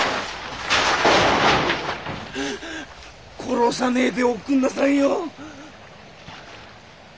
・殺さねえでおくんなさいよ。